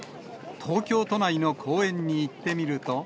東京都内の公園に行ってみると。